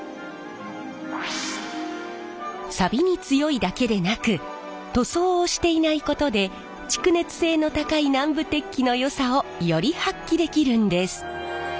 さびに強いだけでなく塗装をしていないことで蓄熱性の高い南部鉄器のよさをより発揮できるんです。